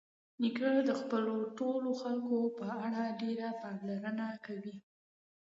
نیکه د خپلو ټولو خلکو په اړه ډېره پاملرنه کوي.